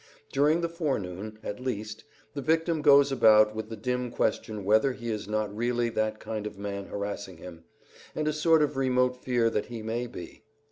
During the forenoon, at least, the victim goes about with the dim question whether he is not really that kind of man harassing him, and a sort of remote fear that he may be.